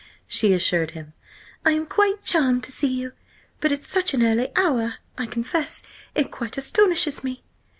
she assured him. "I am quite charmed to see you! But at such an early hour–! I confess, it quite astonishes me!"